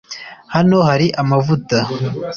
Hano hari amavuta